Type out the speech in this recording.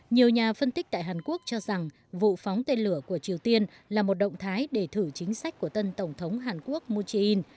nhiều nhà phân tích tại hàn quốc cho rằng vụ phóng tên lửa của triều tiên là một động thái để thử chính sách của tân tổng thống hàn quốc moon jae in